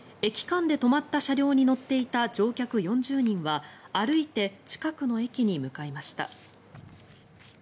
駅間で止まった車両に乗っていた乗客４０人は歩いて近くの駅に向かいました。